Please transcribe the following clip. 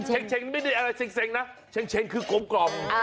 เช็งเช็งไม่ได้อะไรเซ็งนะเช็งเช็งคือกลมกล่อม